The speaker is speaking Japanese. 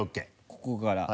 ここから。